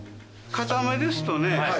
硬めですとね